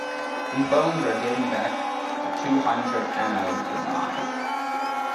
These bones are dating back to two hundred Anno Domini.